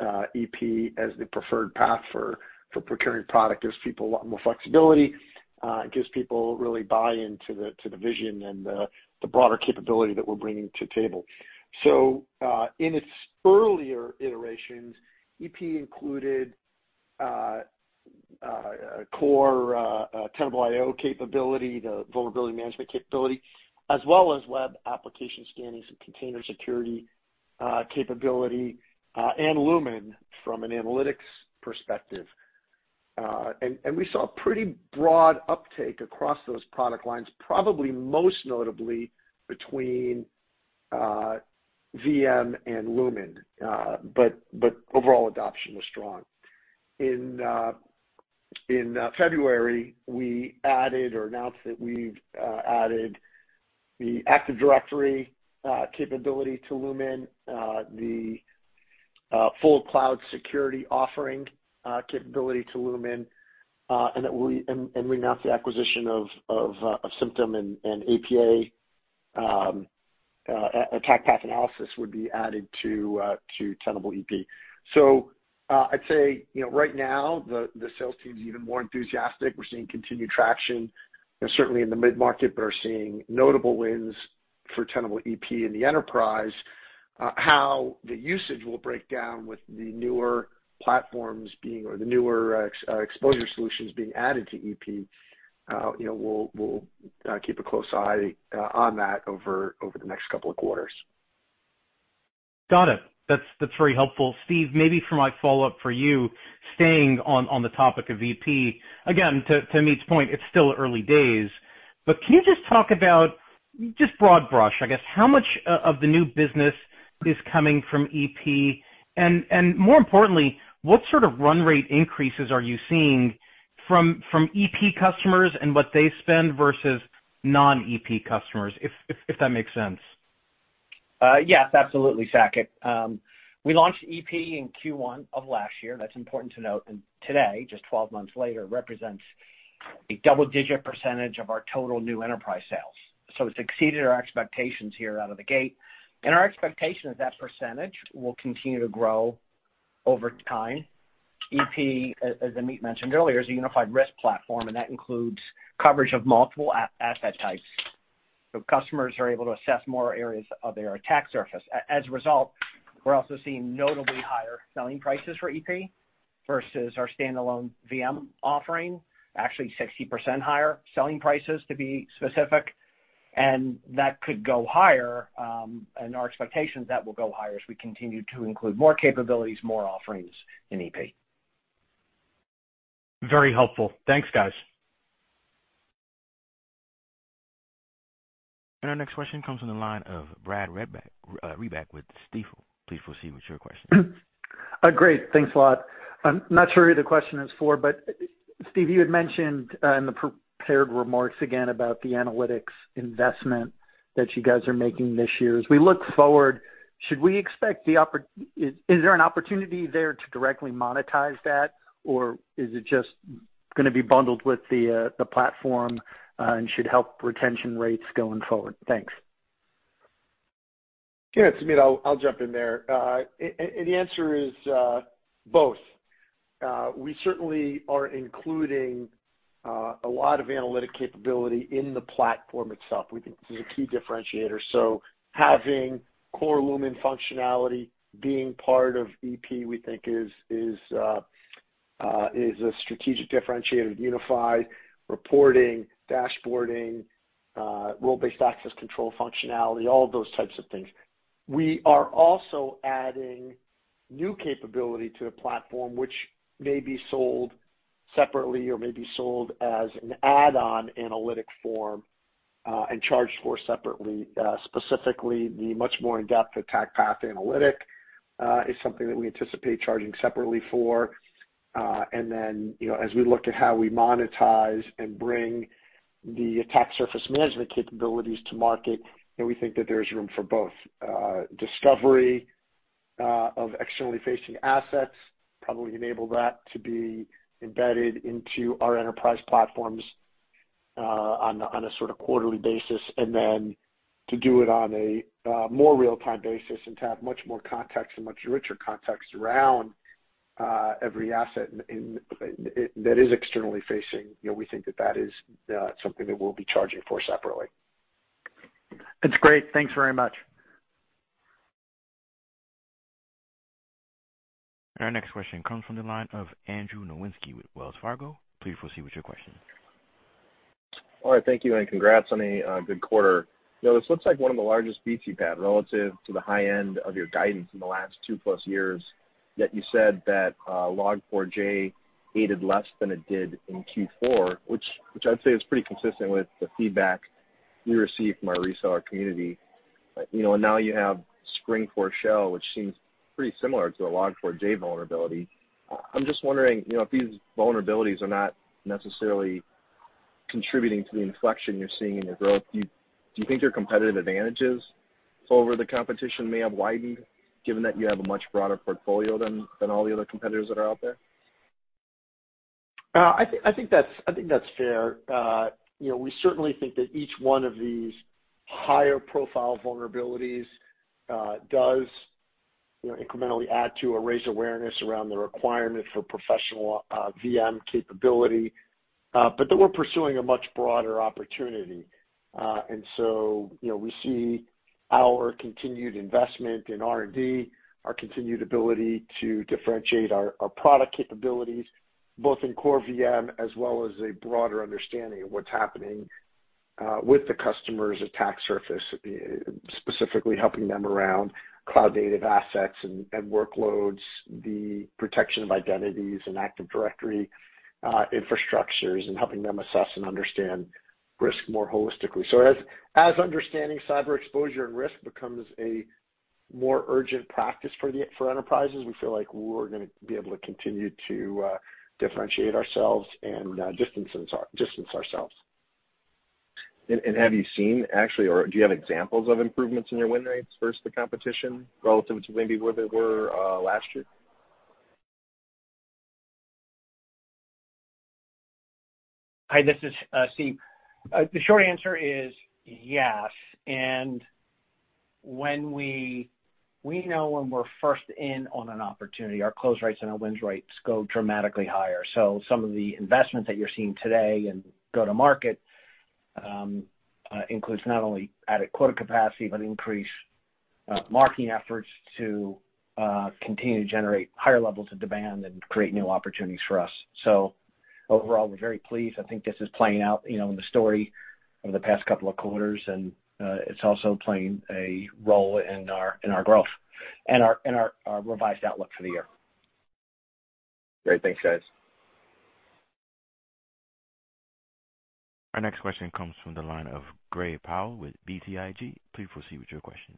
EP as the preferred path for procuring product. Gives people a lot more flexibility, it gives people really buy into the vision and the broader capability that we're bringing to table. In its earlier iterations, EP included core Tenable.io capability, the vulnerability management capability, as well as web application scanning, container security capability, and Lumin from an analytics perspective. We saw pretty broad uptake across those product lines, probably most notably between VM and Lumin. Overall adoption was strong. In February, we added or announced that we've added the Active Directory capability to Lumin, the full cloud security offering capability to Lumin, and that we announced the acquisition of Cymptom and APA. Attack path analysis would be added to Tenable.ep. I'd say, you know, right now, the sales team is even more enthusiastic. We're seeing continued traction, you know, certainly in the mid-market, but are seeing notable wins for Tenable.ep In the enterprise. How the usage will break down with the newer exposure solutions being added to EP, you know, we'll keep a close eye on that over the next couple of quarters. Got it. That's very helpful. Steve, maybe for my follow-up for you, staying on the topic of EP, again, to Amit's point, it's still early days. Can you just talk about, just broad brush, I guess, how much of the new business is coming from EP? And more importantly, what sort of run rate increases are you seeing from EP customers and what they spend versus non-EP customers, if that makes sense. Yes, absolutely, Saket. We launched EP in Q1 of last year. That's important to note. Today, just 12 months later, it represents a double-digit percentage of our total new enterprise sales. It's exceeded our expectations here out of the gate. Our expectation is that the percentage will continue to grow over time. EP, as Amit mentioned earlier, is a unified risk platform, and that includes coverage of multiple asset types. Customers are able to assess more areas of their attack surface. As a result, we're also seeing notably higher selling prices for EP versus our standalone VM offering, actually 60% higher selling prices to be specific. That could go higher, and our expectations, that will go higher as we continue to include more capabilities, more offerings in EP. Very helpful. Thanks, guys. Our next question comes from the line of Brad Reback with Stifel. Please proceed with your question. Great. Thanks a lot. I'm not sure who the question is for, but Steve, you had mentioned in the prepared remarks again about the analytics investment that you guys are making this year. As we look forward, is there an opportunity there to directly monetize that, or is it just gonna be bundled with the platform, and should help retention rates going forward? Thanks. Yeah, it's Amit. I'll jump in there. The answer is both. We certainly are including a lot of analytic capability in the platform itself. We think this is a key differentiator. Having core Lumin functionality being part of EP, we think, is a strategic differentiator, unified reporting, dashboarding, and role-based access control functionality, all of those types of things. We are also adding new capability to the platform, which may be sold separately or may be sold as an add-on analytic form and charged for separately. Specifically, the much more in-depth attack path analytic is something that we anticipate charging separately for. You know, as we look at how we monetize and bring the attack surface management capabilities to market, you know, we think that there's room for both discovery of externally facing assets, probably enable that to be embedded into our enterprise platforms on a sort of quarterly basis. To do it on a more real-time basis and to have much more context and much richer context around every asset in that is externally facing, you know, we think that that is something that we'll be charging for separately. That's great. Thanks very much. Our next question comes from the line of Andrew Nowinski with Wells Fargo. Please proceed with your question. All right. Thank you, and congrats on a good quarter. You know, this looks like one of the largest beats you've had relative to the high end of your guidance in the last two-plus years, yet you said that Log4j aided less than it did in Q4, which I'd say is pretty consistent with the feedback we receive from our reseller community. You know, now you have Spring4Shell, which seems pretty similar to the Log4j vulnerability. I'm just wondering, you know, if these vulnerabilities are not necessarily contributing to the inflection you're seeing in your growth, do you think your competitive advantages over the competition may have widened, given that you have a much broader portfolio than all the other competitors that are out there? I think that's fair. You know, we certainly think that each one of these higher-profile vulnerabilities does incrementally add to or raise awareness around the requirement for professional VM capability, but that we're pursuing a much broader opportunity. You know, we see our continued investment in R&D, our continued ability to differentiate our product capabilities, both in core VM as well as a broader understanding of what's happening with the customer's attack surface, specifically helping them around cloud native assets and workloads, the protection of identities and Active Directory infrastructures, and helping them assess and understand risk more holistically. As understanding cyber exposure and risk becomes a more urgent practice for enterprises. We feel like we're gonna be able to continue to differentiate ourselves and distance ourselves. Have you seen it actually or do you have examples of improvements in your win rates versus the competition relative to maybe where they were last year? Hi, this is Steve. The short answer is yes. When we know when we're first in on an opportunity, our close rates and our win rates go dramatically higher. Some of the investment that you're seeing today in go-to-market includes not only added quota capacity, but increased marketing efforts to continue to generate higher levels of demand and create new opportunities for us. Overall, we're very pleased. I think this is playing out, you know, in the story over the past couple of quarters, and it's also playing a role in our growth and our revised outlook for the year. Great. Thanks, guys. Our next question comes from the line of Gray Powell with BTIG. Please proceed with your question.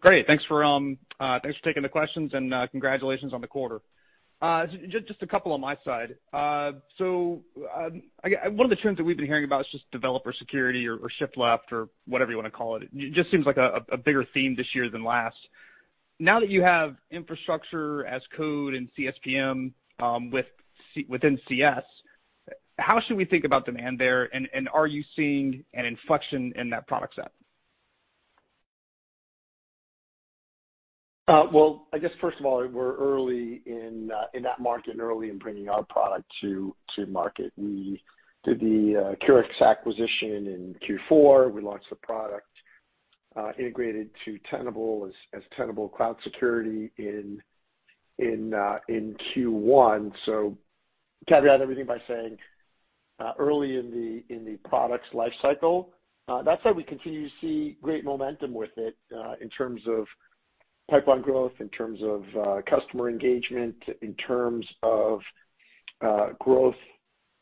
Great. Thanks for taking the questions, and congratulations on the quarter. Just a couple on my side. One of the trends that we've been hearing about is just developer security or shift left or whatever you wanna call it. It just seems like a bigger theme this year than last. Now that you have infrastructure as code and CSPM within CS, how should we think about demand there, and are you seeing an inflection in that product set? Well, I guess first of all, we're early in that market and early in bringing our product to market. We did the Accurics acquisition in Q4. We launched the product, integrated to Tenable as Tenable Cloud Security in Q1. Caveat everything by saying early in the product's life cycle. That said, we continue to see great momentum with it in terms of pipeline growth, in terms of customer engagement, in terms of growth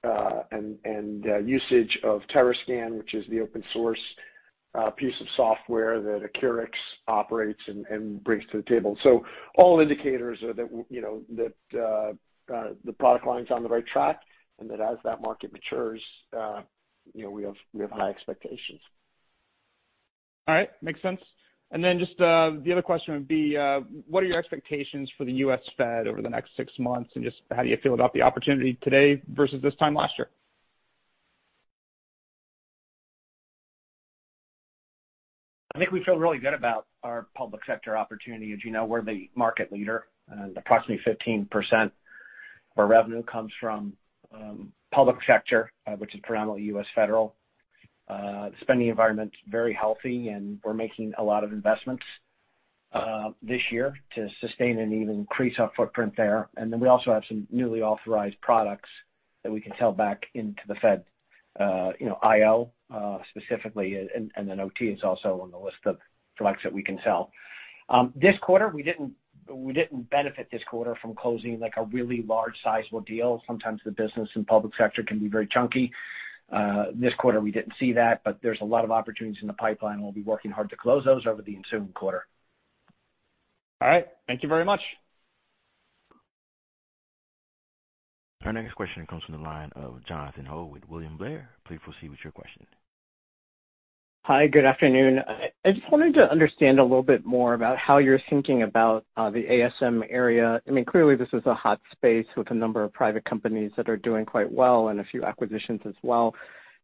and usage of Terrascan, which is the open-source piece of software that Accurics operates and brings to the table. All indicators are that you know that the product lines on the right track and that as that market matures, you know, we have high expectations. All right. Makes sense. Just the other question would be, what are your expectations for the U.S. Fed over the next six months, and just how do you feel about the opportunity today versus this time last year? I think we feel really good about our public sector opportunity. As you know, we're the market leader, and approximately 15% of our revenue comes from public sector, which is predominantly U.S. federal. The spending environment's very healthy, and we're making a lot of investments this year to sustain and even increase our footprint there. We also have some newly authorized products that we can sell back into the Fed, you know, Tenable.io specifically, and then OT is also on the list of products that we can sell. This quarter, we didn't benefit this quarter from closing like a really large sizable deal. Sometimes the business and public sector can be very chunky. This quarter, we didn't see that, but there's a lot of opportunities in the pipeline, and we'll be working hard to close those over the ensuing quarter. All right. Thank you very much. Our next question comes from the line of Jonathan Ho with William Blair. Please proceed with your question. Hi. Good afternoon. I just wanted to understand a little bit more about how you're thinking about the ASM area. I mean, clearly this is a hot space with a number of private companies that are doing quite well and a few acquisitions as well.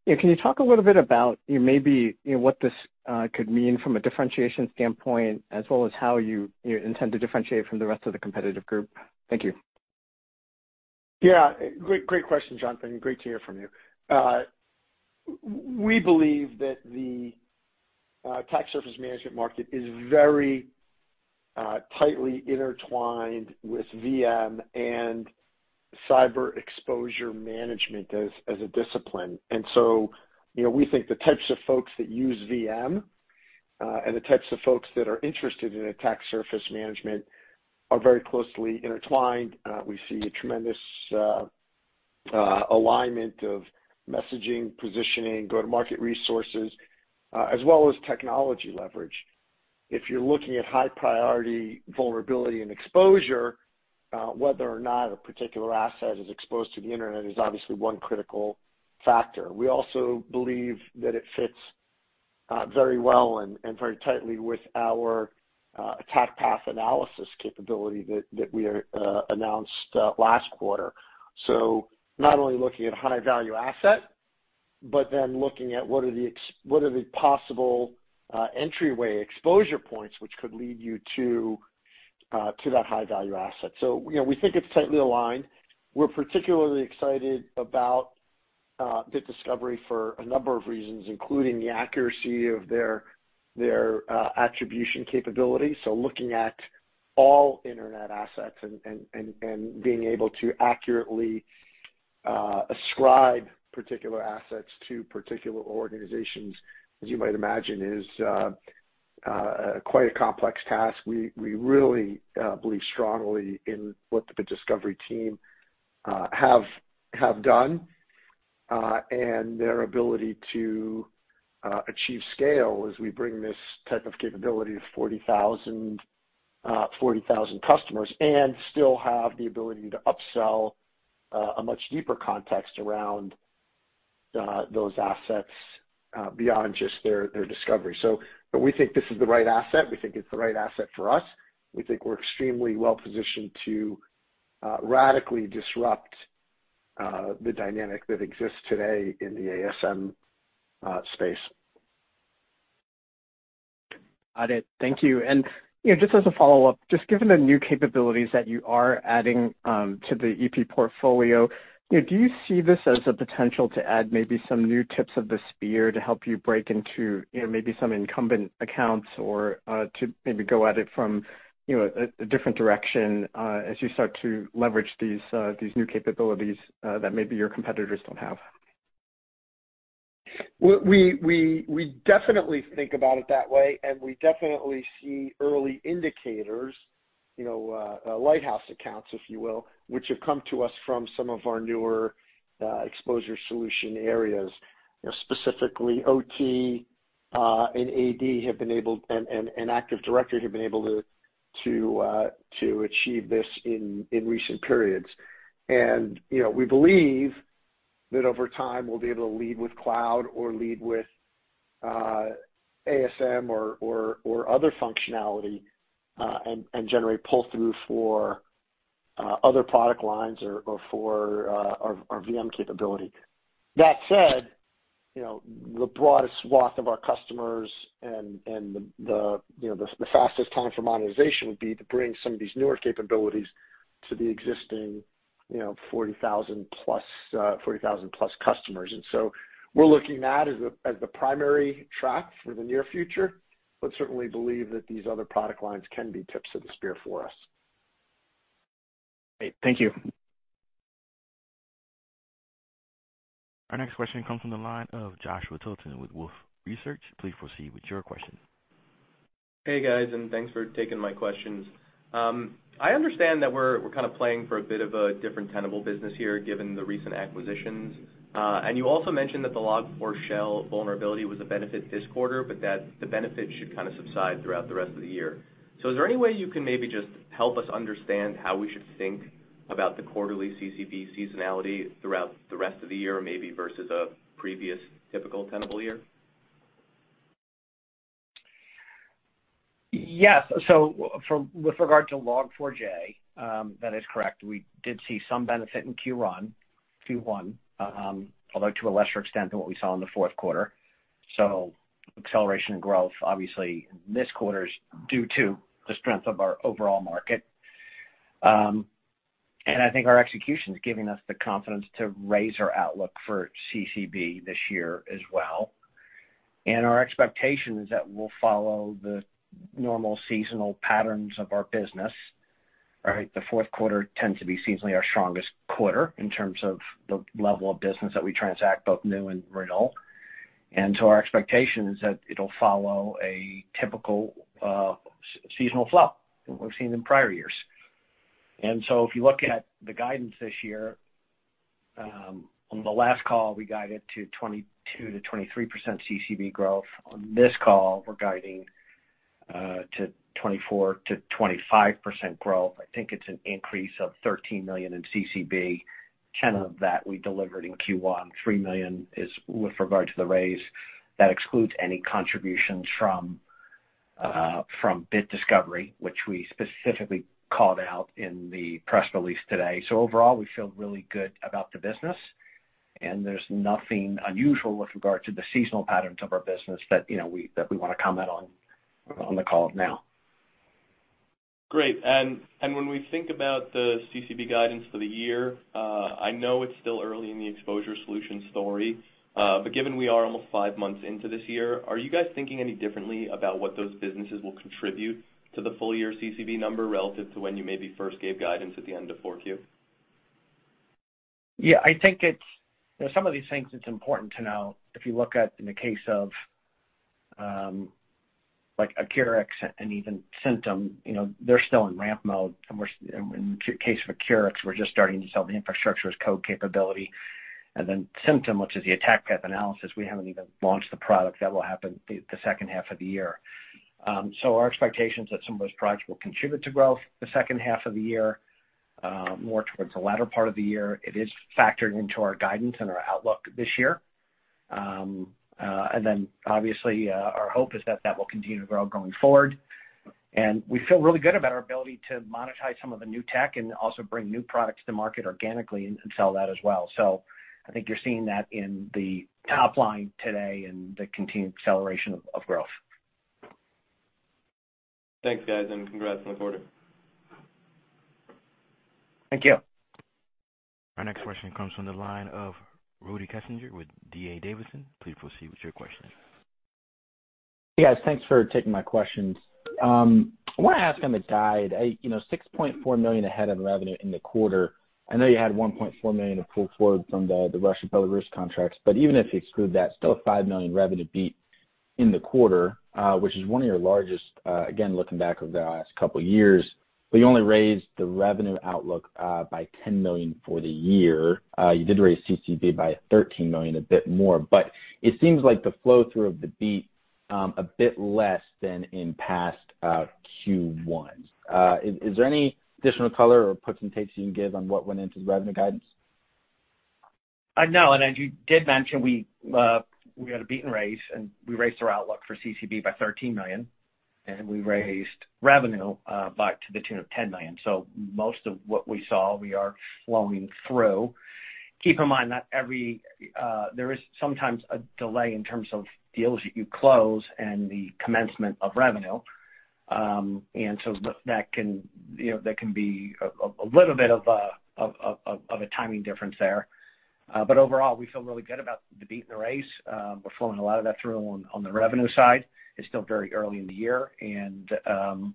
You know, can you talk a little bit about, you know, maybe, you know, what this could mean from a differentiation standpoint, as well as how you intend to differentiate from the rest of the competitive group? Thank you. Yeah. Great question, Jonathan. Great to hear from you. We believe that the attack surface management market is very tightly intertwined with VM and cyber exposure management as a discipline. You know, we think the types of folks that use VM and the types of folks that are interested in attack surface management are very closely intertwined. We see a tremendous alignment of messaging, positioning, go-to-market resources as well as technology leverage. If you're looking at high-priority vulnerability and exposure, whether or not a particular asset is exposed to the internet is obviously one critical factor. We also believe that it fits very well and very tightly with our attack path analysis capability that we announced last quarter. Not only looking at high-value assets, but then looking at what are the possible entryway exposure points which could lead you to that high-value asset. You know, we think it's tightly aligned. We're particularly excited about Bit Discovery for a number of reasons, including the accuracy of their attribution capabilities. Looking at all internet assets and being able to accurately ascribe particular assets to particular organizations, as you might imagine, is quite a complex task. We really believe strongly in what the Bit Discovery team has done. Their ability to achieve scale as we bring this type of capability to 40,000 customers and still have the ability to upsell a much deeper context around those assets beyond just their discovery. We think this is the right asset. We think it's the right asset for us. We think we're extremely well-positioned to radically disrupt the dynamic that exists today in the ASM space. Got it. Thank you. You know, just as a follow-up, just given the new capabilities that you are adding to the EP portfolio, you know, do you see this as a potential to add maybe some new tips of the spear to help you break into, you know, maybe some incumbent accounts or to maybe go at it from, you know, a different direction, as you start to leverage these new capabilities that maybe your competitors don't have? We definitely think about it that way, and we definitely see early indicators, you know, lighthouse accounts, if you will, which have come to us from some of our newer exposure solution areas. You know, specifically, OT and AD and Active Directory have been able to achieve this in recent periods. You know, we believe that over time, we'll be able to lead with cloud or lead with ASM or other functionality and generate pull-through for other product lines or for our VM capability. That said, you know, the broadest swath of our customers and the fastest time for monetization would be to bring some of these newer capabilities to the existing, you know, 40,000-plus customers. We're looking at as the primary track for the near future, but certainly believe that these other product lines can be tips of the spear for us. Great. Thank you. Our next question comes from the line of Joshua Tilton with Wolfe Research. Please proceed with your question. Hey, guys, and thanks for taking my questions. I understand that we're kind of playing for a bit of a different Tenable business here, given the recent acquisitions. You also mentioned that the Log4Shell vulnerability was a benefit this quarter, but that the benefit should kind of subside throughout the rest of the year. Is there any way you can maybe just help us understand how we should think about the quarterly CCB seasonality throughout the rest of the year, maybe versus a previous typical Tenable year? Yes. With regard to Log4j, that is correct. We did see some benefit in Q1, although to a lesser extent than what we saw in the fourth quarter. Acceleration and growth, obviously, this quarter is due to the strength of our overall market. I think our execution is giving us the confidence to raise our outlook for CCB this year as well. Our expectation is that we'll follow the normal seasonal patterns of our business. Right? The fourth quarter tends to be seasonally our strongest quarter in terms of the level of business that we transact, both new and renewal. Our expectation is that it'll follow a typical seasonal flow that we've seen in prior years. If you look at the guidance this year, on the last call, we guided to 22%-23% CCB growth. On this call, we're guiding to 24%-25% growth. I think it's an increase of $13 million in CCB. 10 of that we delivered in Q1. $3 million is with regard to the raise. That excludes any contributions from Bit Discovery, which we specifically called out in the press release today. Overall, we feel really good about the business, and there's nothing unusual with regard to the seasonal patterns of our business that, you know, we wanna comment on the call now. Great. When we think about the CCB guidance for the year, I know it's still early in the exposure solution story, but given we are almost five months into this year, are you guys thinking any differently about what those businesses will contribute to the full-year CCB number relative to when you maybe first gave guidance at the end of 4Q? Yeah. I think it's, you know, some of these things, it's important to know if you look at in the case of, like Accurics and even Cymptom, you know, they're still in ramp mode. In the case of Accurics, we're just starting to sell the infrastructure as code capability. Then Cymptom, which is the attack path analysis, we haven't even launched the product. That will happen the second half of the year. Our expectation is that some of those products will contribute to growth the second half of the year, more towards the latter part of the year. It is factored into our guidance and our outlook this year. Obviously, our hope is that that will continue to grow going forward. We feel really good about our ability to monetize some of the new tech and also bring new products to market organically and sell that as well. I think you're seeing that in the top line today and the continued acceleration of growth. Thanks, guys, and congrats on the quarter. Thank you. Our next question comes from the line of Rudy Kessinger with D.A. Davidson. Please proceed with your question. Hey, guys. Thanks for taking my questions. I wanna ask on the guide, you know, $6.4 million ahead of revenue in the quarter. I know you had $1.4 million of pull forward from the Russian Belarus contracts, but even if you exclude that, still a $5 million revenue beat. In the quarter, which is one of your largest, again, looking back over the last couple of years, but you only raised the revenue outlook by $10 million for the year. You did raise CCB by $13 million, a bit more, but it seems like the flow through of the beat a bit less than in past Q1. Is there any additional color or puts and takes you can give on what went into the revenue guidance? No. As you did mention, we had a beat and raise, and we raised our outlook for CCB by $13 million, and we raised revenue by to the tune of $10 million. Most of what we saw, we are flowing through. Keep in mind that there is sometimes a delay in terms of deals that you close and the commencement of revenue. That can, you know, be a little bit of a timing difference there. Overall, we feel really good about the beat and the raise. We're flowing a lot of that through on the revenue side. It's still very early in the year, and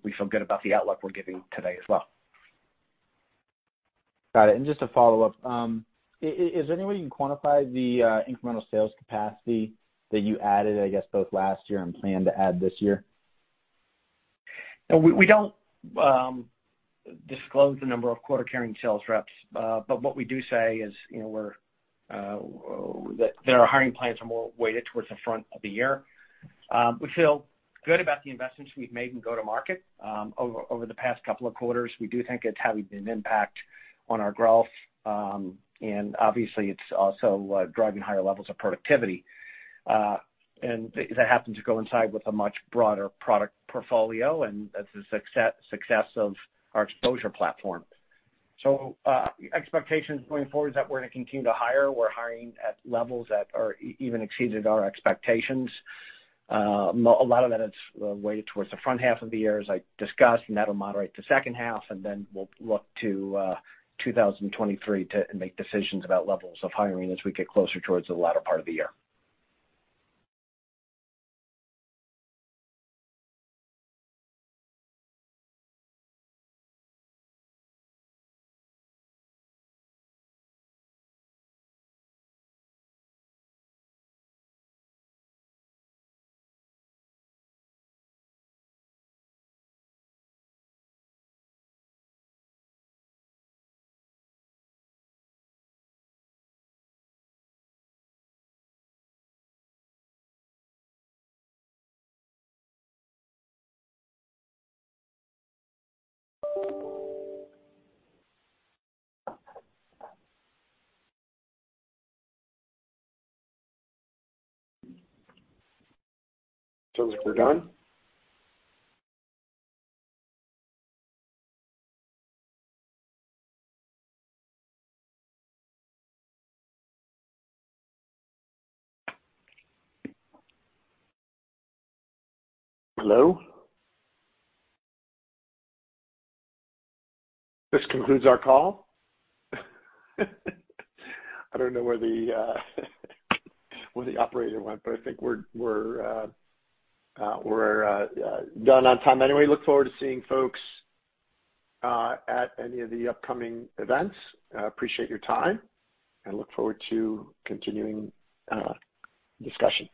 we feel good about the outlook we're giving today as well. Got it. Just a follow-up. Is there any way you can quantify the incremental sales capacity that you added, I guess, both last year and plan to add this year? We don't disclose the number of quota-carrying sales reps. What we do say is, you know, our hiring plans are more weighted towards the front of the year. We feel good about the investments we've made in go-to-market over the past couple of quarters. We do think it's having an impact on our growth. Obviously, it's also driving higher levels of productivity. That happens to go hand in hand with a much broader product portfolio, and that's the success of our exposure platform. Expectations going forward is that we're gonna continue to hire. We're hiring at levels that even exceed our expectations. A lot of that is weighted towards the front half of the year, as I discussed, and that'll moderate the second half. Then we'll look to 2023 to make decisions about levels of hiring as we get closer towards the latter part of the year. Sounds like we're done. Hello? This concludes our call. I don't know where the operator went, but I think we're done on time anyway. Look forward to seeing folks at any of the upcoming events. Appreciate your time, and look forward to continuing the discussion.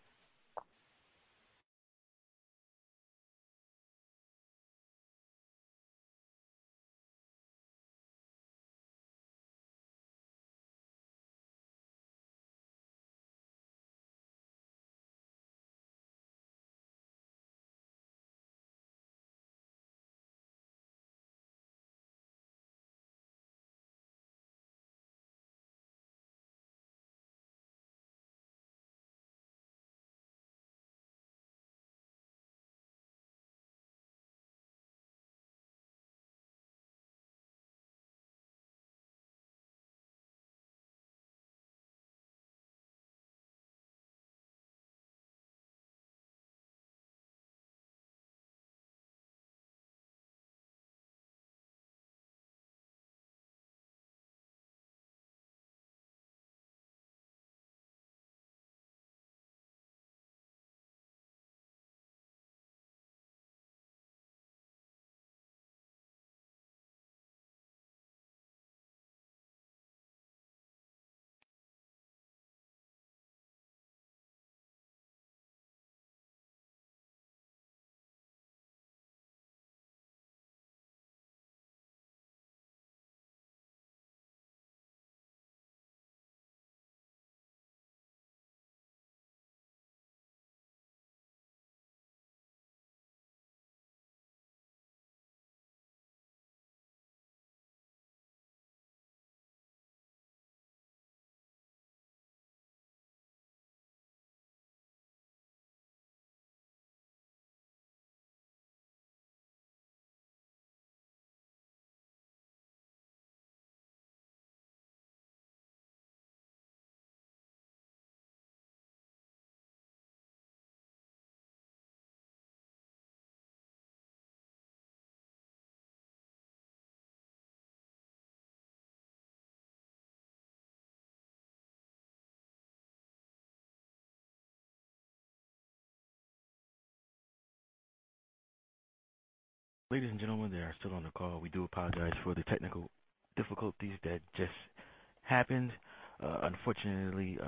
Ladies and gentlemen who are still on the call. We do apologize for the technical difficulties that just happened. Unfortunately,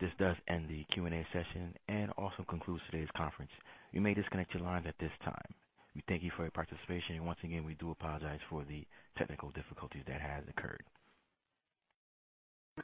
this does end the Q&A session and also concludes today's conference. You may disconnect your lines at this time. We thank you for your participation, and once again, we do apologize for the technical difficulties that have occurred.